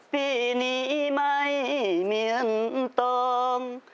พี่นี้ไม่เหมือนต้อง